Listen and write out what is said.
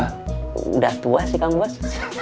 sudah tua sih kang bos